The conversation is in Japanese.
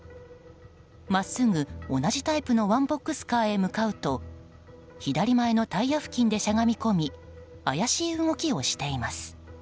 真っすぐ、同じタイプのワンボックスカーへ向かうと左前のタイヤ付近でしゃがみ込み怪しい動きをしています。